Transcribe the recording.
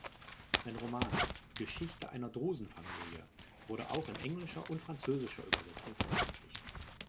Sein Roman "Geschichte einer Drusen-Familie" wurde auch in englischer und französischer Übersetzung veröffentlicht.